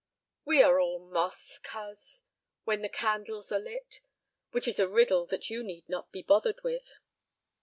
"We are all moths, coz, when the candles are lit. Which is a riddle that you need not be bothered with."